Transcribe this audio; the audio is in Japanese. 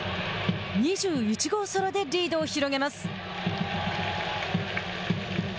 ２１号ソロでリードを広げます。